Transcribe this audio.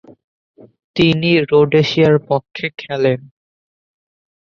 তিনি রোডেশিয়ার পক্ষে খেলেন।